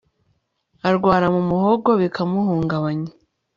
arwara mu muhogo bikamuhungabanya